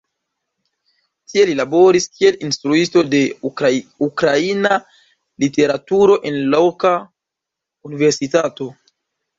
Tie li laboris kiel instruisto de ukraina literaturo en loka universitato.